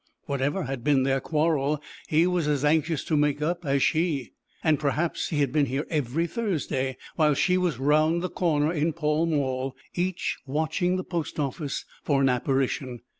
Whatever had been their quarrel he was as anxious to make it up as she, and perhaps he had been here every Thursday while she was round the corner in Pall Mall, each watching the post office for an apparition.